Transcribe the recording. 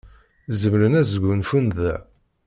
Zemren ad sgunfun da.